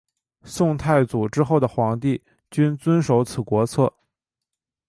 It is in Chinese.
宋太祖之后的皇帝均遵守此国策。